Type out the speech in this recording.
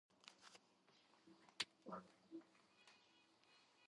მიშელის ძმა —კრეიგ რობინსონი არის ორეგონის უნივერსიტეტის კალათბურთის გუნდის მწვრთნელი.